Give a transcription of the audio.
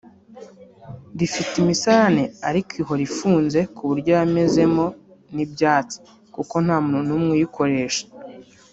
rifite imisarane ariko ihora ifunze ku buryo yamezemo n’ibyatsi kuko nta muntu n’umwe uyikoresha